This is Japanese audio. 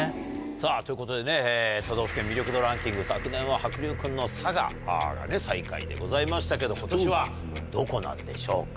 さぁということでね都道府県魅力度ランキング昨年は白竜君の佐賀が最下位でございましたけど今年はどこなんでしょうか。